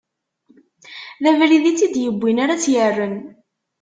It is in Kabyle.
D abrid i tt-id-iwwin ara tt-irren.